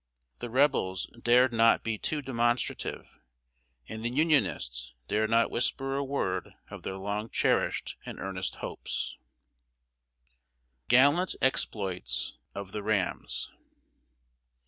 The Rebels dared not be too demonstrative, and the Unionists dared not whisper a word of their long cherished and earnest hopes. [Sidenote: GALLANT EXPLOITS OF THE RAMS.